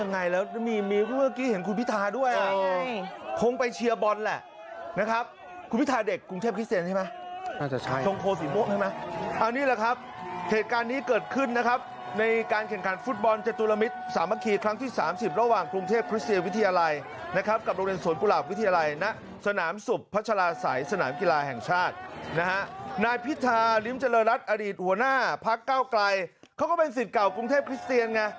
นายพิธาลิมจรรย์รัฐอดีตหัวหน้าพักเก้าไกลเขาก็เป็นสิทธิ์เก่ากรุงเทพคริสเซียนไง